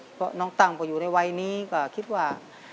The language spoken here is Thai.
เพราะน้องตั้งพออยู่ในวัยนี้ก็คิดว่า